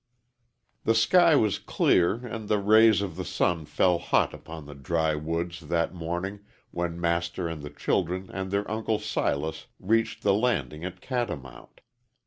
THE sky was clear, and the rays of the sun fell hot upon the dry woods that morning when Master and the children and their Uncle Silas reached the landing at Catamount.